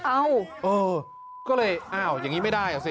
เอ้าเออก็เลยอ้าวอย่างนี้ไม่ได้อ่ะสิ